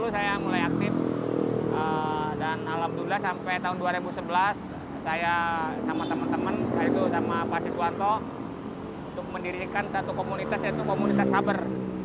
saya mulai aktif dan alhamdulillah sampai tahun dua ribu sebelas saya sama teman teman saya itu sama pak siswanto untuk mendirikan satu komunitas yaitu komunitas sabar